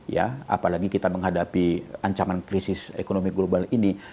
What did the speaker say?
ya apalagi kita menghadapi ancaman krisis ekonomi global ini